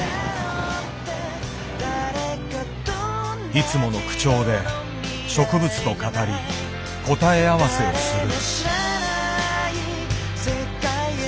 いつもの口調で植物と語り答え合わせをする。